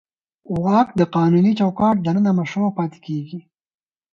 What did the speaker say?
واک د قانوني چوکاټ دننه مشروع پاتې کېږي.